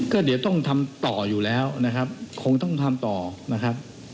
ก็เดี๋ยวต้องทำต่ออยู่แล้วนะครับคงต้องทำต่อนะครับ